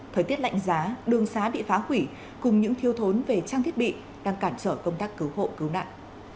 thời tiết lạnh giá đường xá bị phá hủy cùng những thiêu thốn về trang thiết bị đang cản trở công tác cứu hộ cứu nạn